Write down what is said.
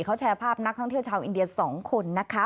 เขาแชร์ภาพนักท่องเที่ยวชาวอินเดีย๒คนนะคะ